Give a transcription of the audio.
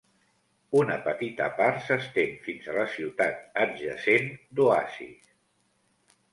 Una petita part s'estén fins a la ciutat adjacent d'Oasis.